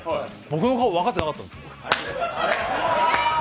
僕の顔、分かってなかったんです。